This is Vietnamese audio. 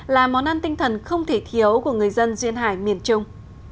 là món ăn tinh thần không thể thiếu của người dân duyên hải miền trung